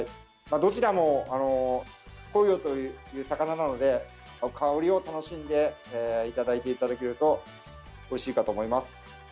どちらも、香魚という魚なので香りを楽しんでいただけるとおいしいかと思います。